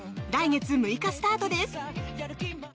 来月６日スタートです。